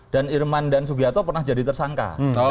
dan irman dan sugiyato pernah jadi tersangka